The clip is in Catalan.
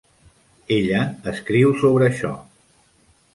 Ella escriu sobre això.